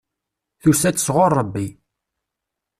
Tusa-d sɣur Rebbi.